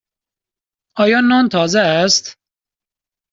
آیا نان تازه است؟